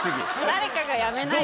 誰かがやめないと。